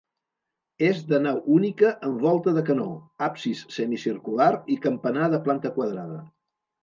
És de nau única amb volta de canó, absis semicircular i campanar de planta quadrada.